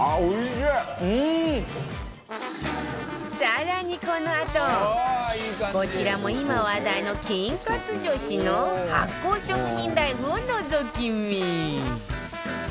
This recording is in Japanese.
更にこのあとこちらも今話題の菌活女子の発酵食品ライフをのぞき見